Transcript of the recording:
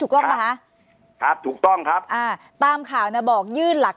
กล้องป่ะคะครับถูกต้องครับอ่าตามข่าวน่ะบอกยื่นหลัก